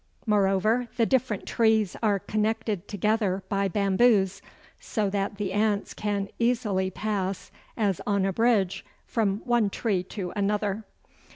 Moreover, the different trees are connected together by bamboos, so that the ants can easily pass, as on a bridge, from one tree to another.